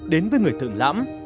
đến với người thượng lãm